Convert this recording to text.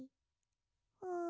うん。